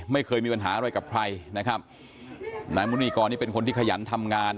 ไม่เคยมีปัญหาอะไรกับใครนะครับนายมุนีกรนี่เป็นคนที่ขยันทำงาน